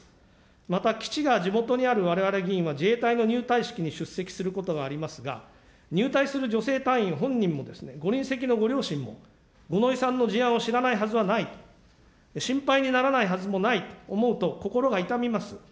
また、基地が地元にあるわれわれ議員は自衛隊の入隊式に出席することがありますが、入隊する女性隊員本人も、ご臨席のご両親も、五ノ井さんの事案を知らないはずはない、心配にならないはずもないと思うと、心が痛みます。